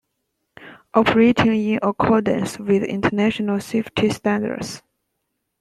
Operating in accordance with international safety standards.